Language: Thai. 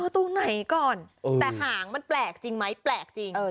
ตรงไหนก่อนแต่หางมันแปลกจริงไหมแปลกจริง